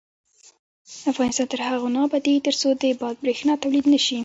افغانستان تر هغو نه ابادیږي، ترڅو د باد بریښنا تولید نشي.